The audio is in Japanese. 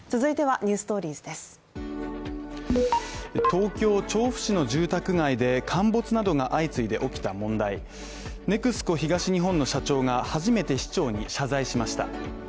東京調布市の住宅街で陥没などが相次いで起きた問題、ＮＥＸＣＯ東日本の社長が初めて市長に謝罪しました。